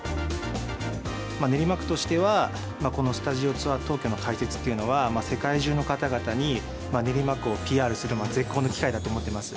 練馬区としては、このスタジオツアー東京の開設というのは、世界中の方々に練馬区をＰＲする絶好の機会だと思っています。